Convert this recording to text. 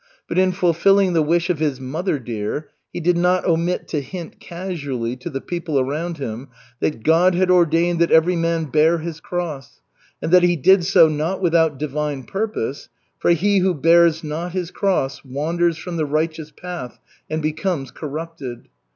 But in fulfilling the wish of his "mother dear" he did not omit to hint casually to the people around him that God had ordained that every man bear his cross, and that He did so not without divine purpose, for he who bears not his cross wanders from the righteous path and becomes corrupted.